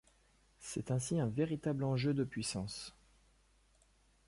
C'est ainsi un véritable enjeu de puissance.